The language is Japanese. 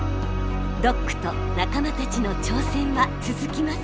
ドックと仲間たちの挑戦は続きます！